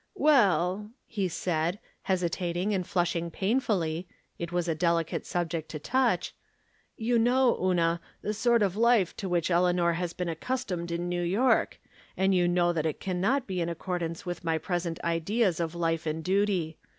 " Well," he said, hesitating and flusliing pain fully—pit was a dehcate subject to touch —" you know, Una, the sort of life to which Eleanor has been accustomed in New York, and you know that it can not be in accordance with my present ideas of life and duty.